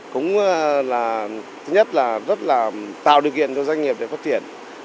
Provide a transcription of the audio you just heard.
cũng là thứ nhất là rất là tạo điều kiện cho doanh nghiệp để phát triển